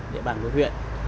địa bàn nội huyện